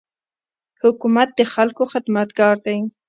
حکومت د خلکو خدمتګار دی.